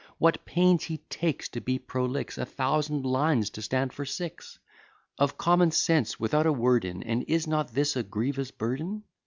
What pains he takes to be prolix! A thousand lines to stand for six! Of common sense without a word in! And is not this a grievous burden?